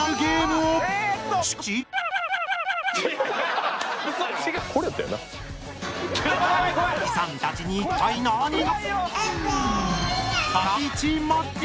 おじさんたちに一体何が？